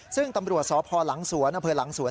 ซึ่งตำรวจสพหลังสวนอำเภอหลังสวน